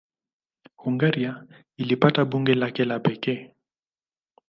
Hungaria ilipata bunge lake la pekee.